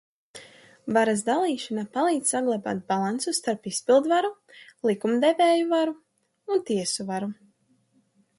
Varas dalīšana palīdz saglabāt balansu starp izpildvaru, likumdevēju varu un tiesu varu.